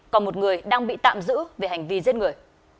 còn một người đang bị tạm giữ về hành vi giết người